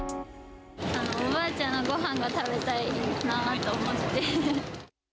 おばあちゃんのごはんが食べたいなと思って。